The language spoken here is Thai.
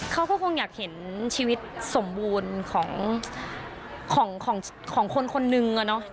เขาก็คงอยากเห็นชีวิตสมบูรณ์ของคนหนึ่งอะเนาะ